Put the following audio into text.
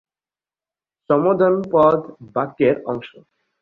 সম্বোধন পদ বাক্যের অংশ।